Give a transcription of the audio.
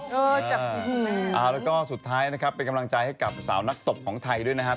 แล้วก็สุดท้ายนะครับเป็นกำลังใจให้กับสาวนักตบของไทยด้วยนะครับ